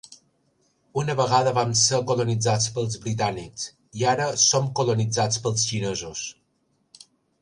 Una vegada vam ser colonitzats pels britànics, i ara som colonitzats pels xinesos.